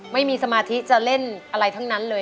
ไม่มีสมาธิจะเล่นอะไรทั้งนั้นเลย